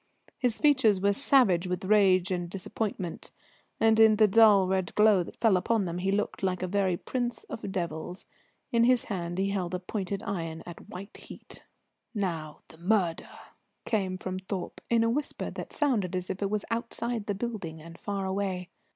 His features were savage with rage and disappointment, and in the dull red glow that fell upon them he looked like a very prince of devils. In his hand he held a pointed iron at white heat. "Now the murder!" came from Thorpe in a whisper that sounded as if it was outside the building and far away.